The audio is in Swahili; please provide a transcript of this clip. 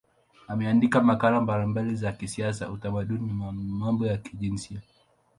Ameandika makala mbalimbali za kisiasa, utamaduni na mambo ya kijinsia.